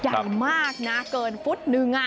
ใหญ่มากนะเกินฟุตนึง